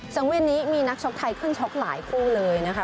สังเวียนนี้มีนักชกไทยขึ้นชกหลายคู่เลยนะคะ